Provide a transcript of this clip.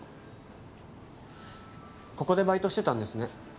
ここでバイトしてたんですね